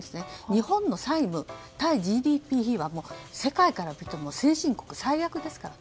日本の債務、対ＧＤＰ比は世界から見ても先進国最悪ですから。